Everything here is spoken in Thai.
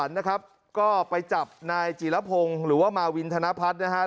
นะครับก็ไปจับนายจีรพงศ์หรือว่ามาวินธนพัฒน์นะฮะ